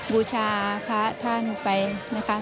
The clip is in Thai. บูชาพระท่านไปนะคะ